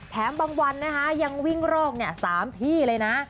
แถมบางวันยังวิ่งรอก๓พี่เลยนะ